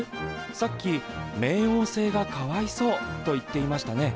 さっき「冥王星がかわいそう！」と言っていましたね。